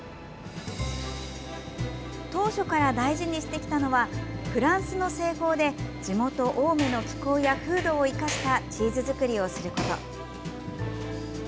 当初から大事にしてきたのはフランスの製法で地元・青梅の気候や風土を生かしたチーズ作りをすること。